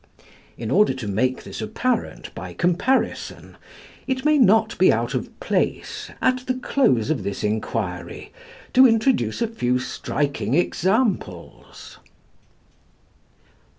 In order to make this apparent by comparison, it may not be out of place, at the close of this inquiry, to introduce a few striking examples: 1.